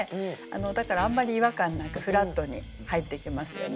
だからあんまり違和感なくフラットに入ってきますよね。